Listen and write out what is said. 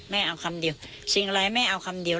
เอาคำเดียวสิ่งอะไรแม่เอาคำเดียว